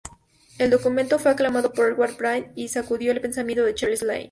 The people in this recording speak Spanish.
El documento fue aclamado por Edward Blyth y sacudió el pensamiento de Charles Lyell.